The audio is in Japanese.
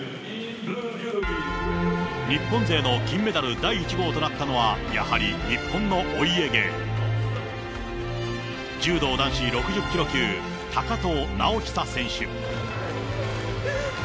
日本勢の金メダル第１号となったのは、やはり日本のお家芸、柔道男子６０キロ級、高藤直寿選手。